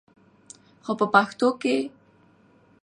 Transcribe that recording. خو په پښتو کښې